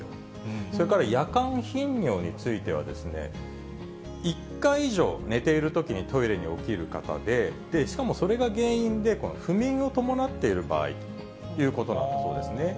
それから夜間頻尿については、１回以上、寝ているときにトイレに起きる方で、しかもそれが原因で不眠を伴っている場合ということなんだそうですね。